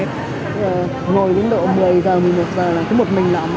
bây giờ ngồi đến độ một mươi giờ một mươi một giờ là cứ một mình lọ mọ